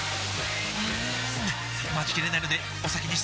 うーん待ちきれないのでお先に失礼！